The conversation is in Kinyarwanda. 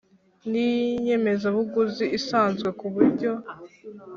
N inyemezabuguzi isanzwe ku buryo